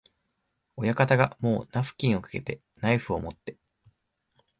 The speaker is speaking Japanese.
親方がもうナフキンをかけて、ナイフをもって、